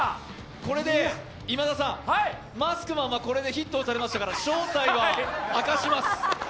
これで今田さん、マスクマンはヒットを打たれましたから正体は明かします。